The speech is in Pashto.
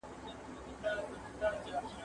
په قلم خط لیکل د مغز انځوریز مهارتونه زیاتوي.